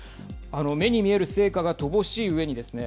目に見える成果が乏しいうえにですね